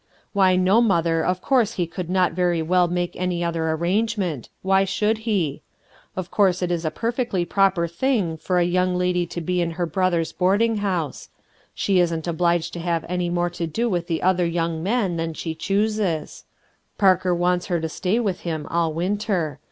Why, no, mother, of course he could not very well make any other arrangement; why should he? Of course it is a perfectly proper thing for a young lady to be in her brother's board ing house. She isn't obliged to have any more to do with the other young men than she chooses, Parker wants her to stay with him all winter.